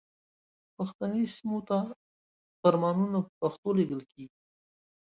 پښتني سیمو ته فرمانونه په پښتو لیږل کیږي.